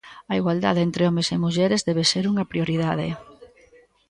A igualdade entre homes e mulleres debe ser unha prioridade.